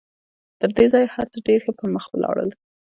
تر دې ځايه هر څه ډېر ښه پر مخ ولاړل.